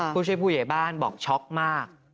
ผู้ช่วยผู้ใหญ่บ้านบอกช็อกมาก